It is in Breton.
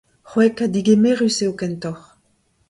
C'hwek ha degemerus eo kentoc'h.